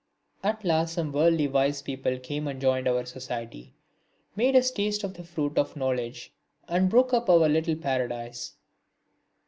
At last some worldly wise people came and joined our society, made us taste of the fruit of knowledge, and broke up our little paradise.